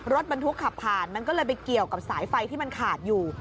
รถบรรทุกขับผ่านมันก็เลยไปเกี่ยวกับสายไฟที่มันขาดอยู่